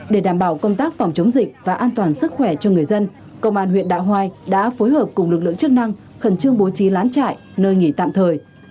để đảm bảo công tác phòng chống dịch và an toàn sức khỏe cho người dân công an huyện đạo hoai đã phối hợp cùng lực lượng chức năng khẩn trương bố trí lán trại nơi nghỉ tạm thời